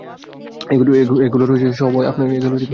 এগুলোর সবই আপনার আইডিয়া?